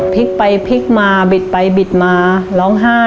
พลิกไปพลิกมาบิดไปบิดมาร้องไห้